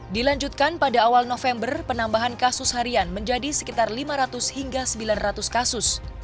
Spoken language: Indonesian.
dilanjutkan pada awal november penambahan kasus harian menjadi sekitar lima ratus hingga sembilan ratus kasus